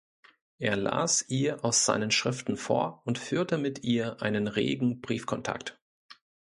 Er las ihr aus seinen Schriften vor und führte mit ihr einen regen Briefkontakt.